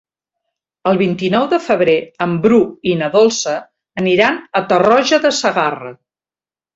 El vint-i-nou de febrer en Bru i na Dolça aniran a Tarroja de Segarra.